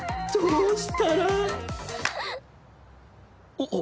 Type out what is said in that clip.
あっ。